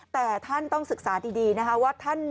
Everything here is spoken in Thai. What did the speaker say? แต่ท่านต้องศึกษาดีนะคะว่าท่าน